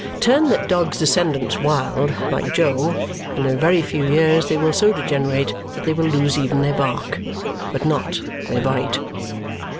Turn that dog's descendants wild, like Jo, and in a very few years they will so degenerate that they will lose even their bark but not their bite.